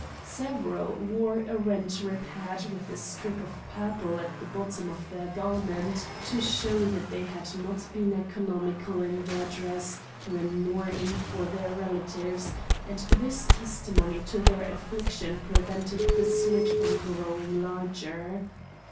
Several wore a rent repaired with a strip of purple at the bottom of their garment, to show that they had not been economical in their dress when mourning for their relatives, and this testimony to their affliction prevented the slit from growing larger.